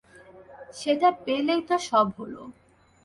সেটা পেলেই তো সব হল।